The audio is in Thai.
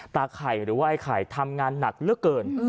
ไข่หรือว่าไอ้ไข่ทำงานหนักเหลือเกิน